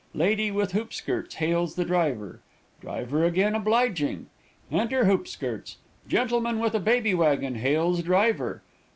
Lady with hoop skirts hails the driver. Driver again obliging. Enter hoop skirts. Gentleman with a baby wagon hails driver.